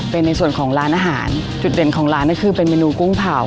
เป็นในส่วนของร้านอาหารจุดเด่นของร้านก็คือเป็นเมนูกุ้งเผา